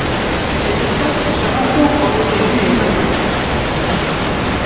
Cette espèce se rencontrent au Brésil et au Panama.